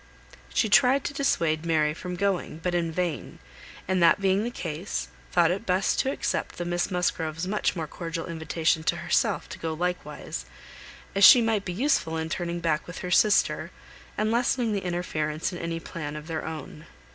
She tried to dissuade Mary from going, but in vain; and that being the case, thought it best to accept the Miss Musgroves' much more cordial invitation to herself to go likewise, as she might be useful in turning back with her sister, and lessening the interference in any plan of their own.